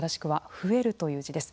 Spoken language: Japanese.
正しくは増えるという字です。